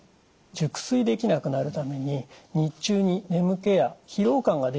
熟睡できなくなるために日中に眠気や疲労感が出やすくなります。